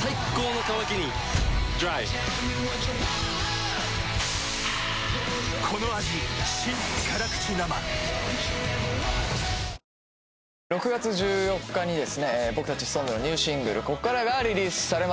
最高の渇きにＤＲＹ６月１４日にですね僕たちＳｉｘＴＯＮＥＳのニューシングル『こっから』がリリースされます。